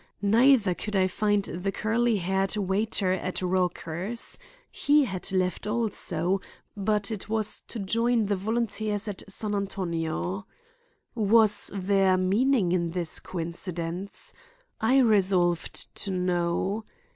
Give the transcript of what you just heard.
Neither could I find the curly haired waiter at Raucher's. He had left also, but it was to join the volunteers at San Antonio. Was there meaning in this coincidence? I resolved to know.